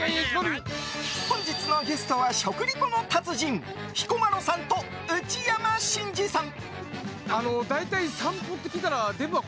本日のゲストは、食リポの達人彦摩呂さんと内山信二さん。